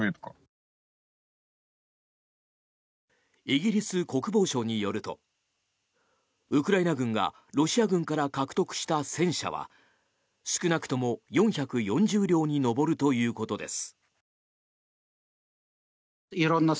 イギリス国防省によるとウクライナ軍がロシア軍から獲得した戦車は少なくとも４４０両に上るということです。